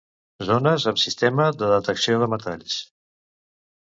Zones amb sistema de detecció de metalls.